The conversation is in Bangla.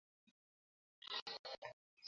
কারিগরি কাজে ধৈর্য লাগে, ড্যানি।